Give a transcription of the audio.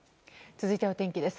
続いてはお天気です。